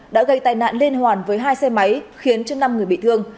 đã gây tàn nạn liên hoàn với hai xe máy khiến chân năm người bị thương